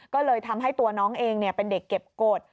ก็เลยทำให้ตัวน้องเองเป็นเด็กเก็บกฎ